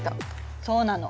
そうなの。